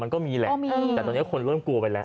มันก็มีแหละแต่ตอนนี้คนเริ่มกลัวไปแล้ว